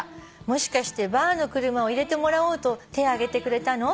「もしかしてばあの車を入れてもらおうと手上げてくれたの？